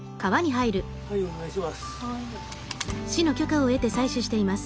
はいお願いします。